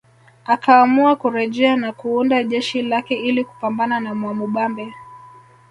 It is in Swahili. Akaamua kurejea na kuunda jeshi lake ili kupambana na Mwamubambe